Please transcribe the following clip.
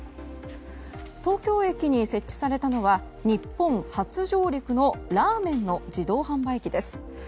東京駅に設置されたのは日本初上陸のラーメンの自動販売機です。